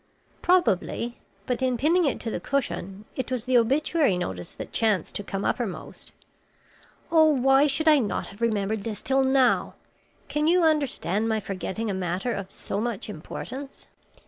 "Probably, but in pinning it to the cushion, it was the obituary notice that chanced to come uppermost. Oh, why should I not have remembered this till now! Can you understand my forgetting a matter of so much importance?"